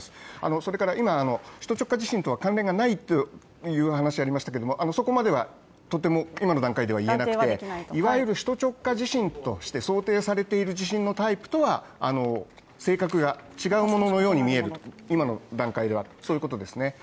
それから今、首都直下地震とは関連がないという話がありましたけど、そこまではとても今の段階ではいえなくていわゆる首都直下地震として想定されている地震のタイプとは性格が違うように見える、今の段階ではそういうことですね。